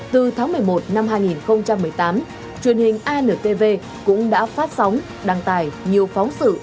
từ tháng một mươi một năm hai nghìn một mươi tám truyền hình antv cũng đã phát sóng đăng tải nhiều phóng sự